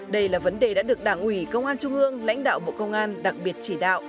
đây là vấn đề đã được đảng ủy công an trung ương lãnh đạo bộ công an đặc biệt chỉ đạo